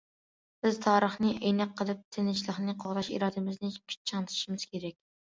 بىز تارىخنى ئەينەك قىلىپ، تىنچلىقنى قوغداش ئىرادىمىزنى چىڭىتىشىمىز كېرەك.